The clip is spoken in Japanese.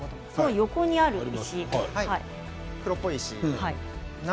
横にある石。